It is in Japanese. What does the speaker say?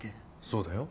そうだよ。